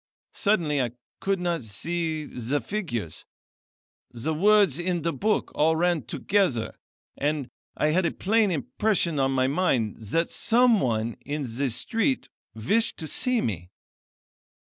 Suddenly I could not see the figures; the words in the book all ran together, and I had a plain impression on my mind that some one in the street wished to see me.